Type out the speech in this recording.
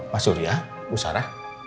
pak surya usara